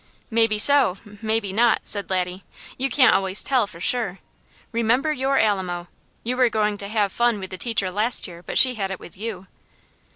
"Maybe so, maybe not!" said Laddie. "You can't always tell, for sure. Remember your Alamo! You were going to have fun with the teacher last year, but she had it with you."